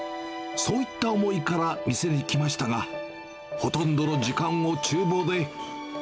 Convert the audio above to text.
そういった思いから店に来ましたが、ほとんどの時間をちゅう房で。